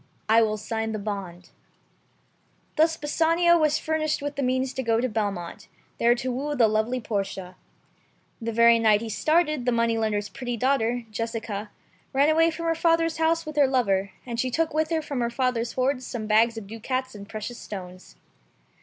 I will sign the bond." Thus Bassanio was furnished with the means to go to Belmont, there to woo the lovely Portia. The very night he started, the Jew's pretty daughter, Jessica, ran away from her father's house with a Christian lover, and she took with her from her father's hoards some bags of ducats and precious stones.